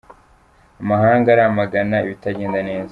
Amahanga aramagana ibitajyenda neza